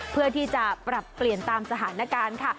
เพื่อที่จะปรับเปลี่ยนตามสถานการณ์ค่ะ